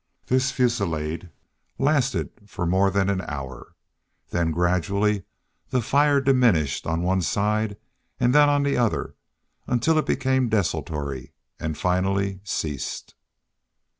This fusillade lasted for more than an hour, then gradually the fire diminished on one side and then on the other until it became desultory and finally ceased.